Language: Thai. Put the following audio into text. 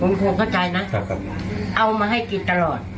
ผมคงเข้าใจนะเอามาให้กินตลอด